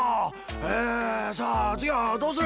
えさあつぎはどうする？